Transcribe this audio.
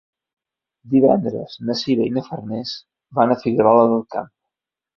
Divendres na Sira i na Farners van a Figuerola del Camp.